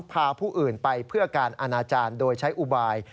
พาผู้อื่นไปเพื่อการอนาจารย์โดยใช้อุบาย